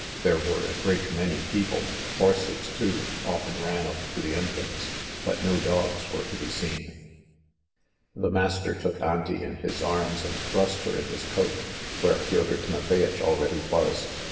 There were a great many people, horses, too, often ran up to the entrance, but no dogs were to be seen. The master took Auntie in his arms and thrust her in his coat, where Fyodor Timofeyirch already was.